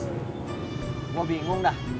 dis gue bingung dah